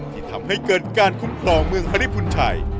ที่ทำให้เกิดการคุ้มครองเมืองฮริพุนชัย